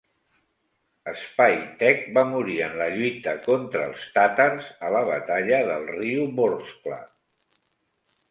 Spytek va morir en la lluita contra els tàtars a la batalla del riu Vorskla.